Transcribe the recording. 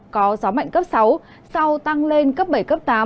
có gió mạnh cấp sáu sau tăng lên cấp bảy cấp tám